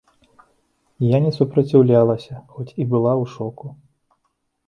Я не супраціўлялася, хоць і была ў шоку.